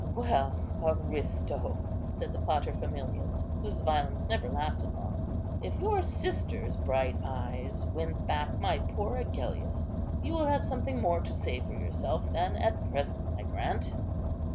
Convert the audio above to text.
"Well, Aristo," said the paterfamilias, whose violence never lasted long, "if your sister's bright eyes win back my poor Agellius you will have something more to say for yourself than, at present, I grant."